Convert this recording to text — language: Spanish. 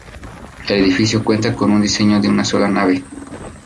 El edificio cuenta con un diseño de una sola nave.